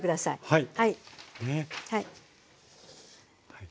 はい。